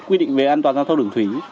quy định về an toàn giao thông đường thủy